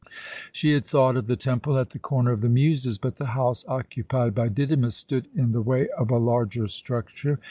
She had thought of the temple at the Corner of the Muses, but the house occupied by Didymus stood in the way of a larger structure.